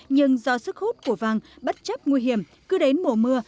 nhưng do sức hút của vàng bất chấp nguy hiểm cứ đến mùa mưa